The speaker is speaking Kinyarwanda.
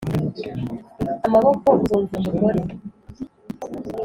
amaboko! uzumvira umugore